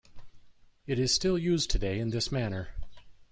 It is still used today in this manner.